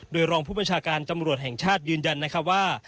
โดยรองผู้บัญชาการจังหวัดแห่งชาติยืนยันว่า